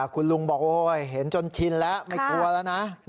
คุณลุงบอกโอ้ยเห็นจนชินแล้วไม่กลัวแล้วนะ